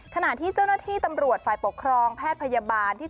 ขณะที่เจ้าหน้าที่ตำรวจฝ่ายปกครองแพทย์พยาบาลที่